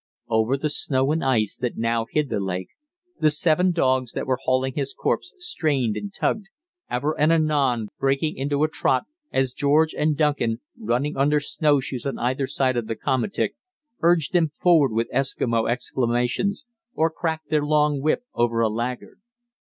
Over the snow and ice that now hid the lake the seven dogs that were hauling his corpse strained and tugged, ever and anon breaking into a trot as George and Duncan, running on their snowshoes on either side of the komatik, urged them forward with Eskimo exclamations or cracked their long whip over a laggard.